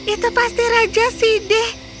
itu pasti raja sideh